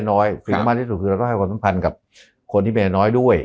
น้อยสูงทำลายที่สูงคือเราต้องให้ความทัมพันกับคนที่มีน้อยด้วย